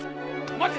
待て！